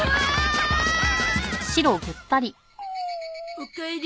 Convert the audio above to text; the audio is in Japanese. おかえり。